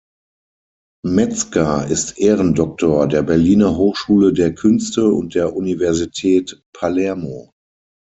Metzger ist Ehrendoktor der Berliner Hochschule der Künste und der Universität Palermo.